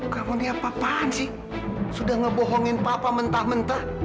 kamu lihat papaan sih sudah ngebohongin papa mentah mentah